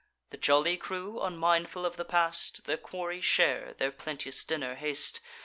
The jolly crew, unmindful of the past, The quarry share, their plenteous dinner haste.